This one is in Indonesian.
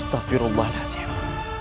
tapi rumahnya siapa